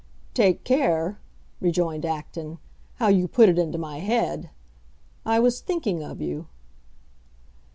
"Take care," rejoined Acton, "how you put it into my head! I was thinking of you."